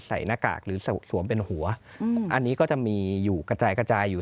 หน้ากากหรือสวมเป็นหัวอันนี้ก็จะมีอยู่กระจายกระจายอยู่